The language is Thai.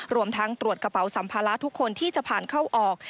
รวมทั้งตรวจกระเป๋าสัมภาระทุกคนที่จะผ่านเข้าออก